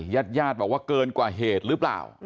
ญาติญาติบอกว่าเกินกว่าเหตุหรือเปล่า